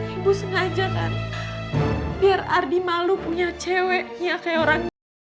ibu sengaja kan biar ardi malu punya ceweknya kayak orangnya